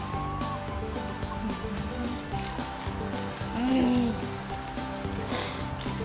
うん。